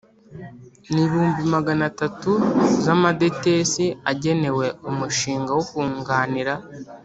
N ibihumbi magana atatu z amadetesi agenewe umushinga wo kunganira